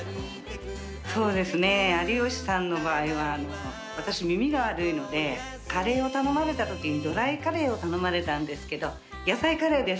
そうですね有吉さんの場合は私耳が悪いのでカレーを頼まれたときにドライカレーを頼まれたんですけど「野菜カレーですか？」